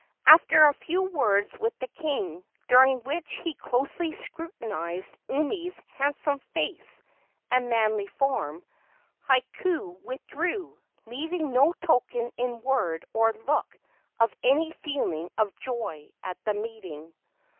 After a few words with the king, during which he closely scrutinized Umi's handsome face and manly form, Hakau withdrew, leaving no token in word or look of any feeling of joy at the meeting.